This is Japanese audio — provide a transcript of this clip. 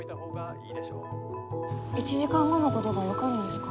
１時間後のごとが分かるんですか？